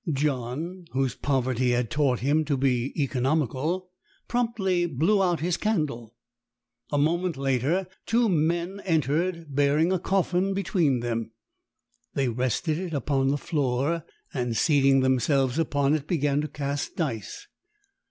John, whose poverty had taught him to be economical, promptly blew out his candle. A moment later two men entered, bearing a coffin between them. They rested it upon the floor and, seating themselves upon it, began to cast dice.